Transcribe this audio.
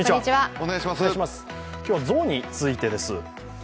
今日はゾウについてです。